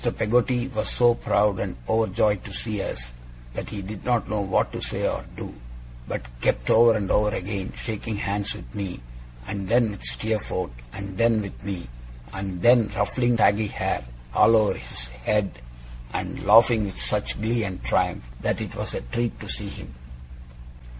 Peggotty was so proud and overjoyed to see us, that he did not know what to say or do, but kept over and over again shaking hands with me, and then with Steerforth, and then with me, and then ruffling his shaggy hair all over his head, and laughing with such glee and triumph, that it was a treat to see him.